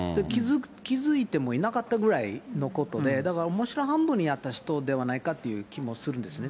気付いてもいなかったぐらいのことで、だから、おもしろ半分にやった人ではないかという気もするんですね。